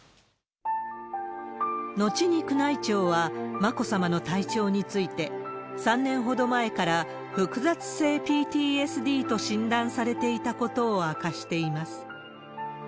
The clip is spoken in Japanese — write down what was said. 後に宮内庁は、眞子さまの体調について、３年ほど前から、複雑性ＰＴＳＤと診断されていたことを明かしています。